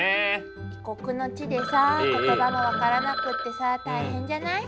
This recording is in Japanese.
異国の地でさ言葉も分からなくってさ大変じゃない？